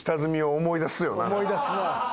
思い出すな。